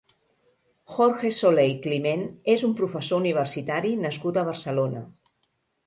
Jorge Soley Climent és un professor universitari nascut a Barcelona.